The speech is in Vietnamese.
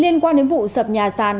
liên quan đến vụ sập nhà sàn